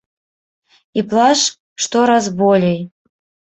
І плач штораз болей.